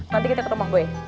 nanti kita ke rumah boy